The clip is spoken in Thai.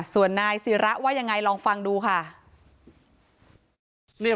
ส่วนนายศิระว่ายังไงลองฟังดูค่ะ